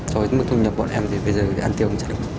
rồi mức thu nhập bọn em thì bây giờ ăn tiêu cũng chẳng đủ